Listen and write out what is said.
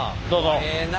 ええな。